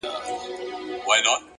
د زړه قوت د ستونزو نه لوی وي.!